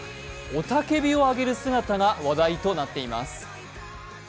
雄たけびを上げる姿が話題となっています。